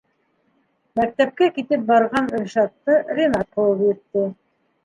Мәктәпкә китеп барған Ришатты Ринат ҡыуып етте: